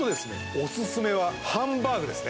おすすめはハンバーグですね